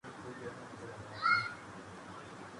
Rwanda وہ ملک ہے۔